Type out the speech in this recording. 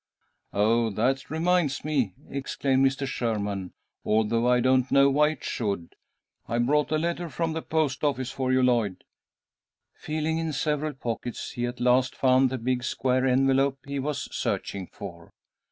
"Oh, that reminds me," exclaimed Mr. Sherman, "although I don't know why it should I brought a letter up from the post office for you, Lloyd." Feeling in several pockets, he at last found the big square envelope he was searching for.